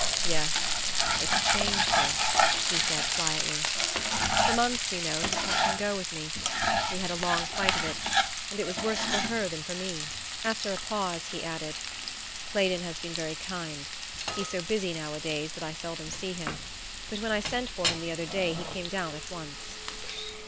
"Yes, it's changed her," he said quietly. "For months, you know, it was touch and go with me we had a long fight of it, and it was worse for her than for me." After a pause he added: "Claydon has been very kind; he's so busy nowadays that I seldom see him, but when I sent for him the other day he came down at once."